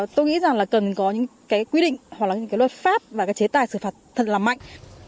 tôi nghĩ rằng là cần có những cái quy định hoặc là những cái luật pháp và cái chế tài xử phạt thật là mạnh